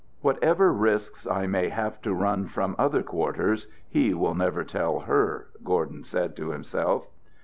"Whatever risks I may have to run from other quarters, he will never tell her," Gordon said to himself.